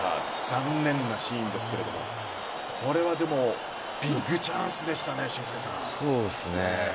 残念なシーンですがこれはビッグチャンスでしたね。